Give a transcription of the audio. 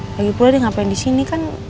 lagipula dia ngapain disini kan